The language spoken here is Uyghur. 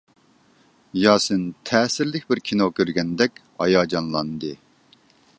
ياسىن تەسىرلىك بىر كىنو كۆرگەندەك ھاياجانلاندى.